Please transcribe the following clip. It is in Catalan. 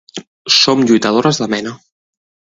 Som lluitadores de mena.